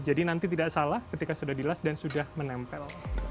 jadi nanti tidak salah ketika sudah dilas dan sudah menempel